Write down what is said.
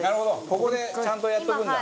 ここでちゃんとやっとくんだ。